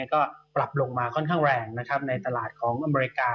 ก็ปรับลงมาค่อนข้างแรงในตลาดของอเมริกา